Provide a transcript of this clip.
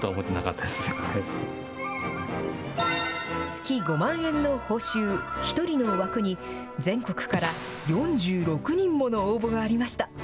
月５万円の報酬、１人の枠に、全国から４６人もの応募がありました。